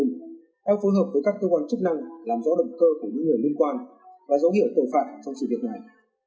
theo phối hợp với các cơ quan chức năng làm rõ động cơ của những người liên quan và dấu hiệu tội phạm trong sự việc này